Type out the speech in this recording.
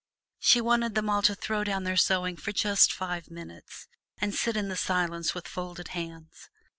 She wanted them all to throw down their sewing for just five minutes, and sit in the silence with folded hands.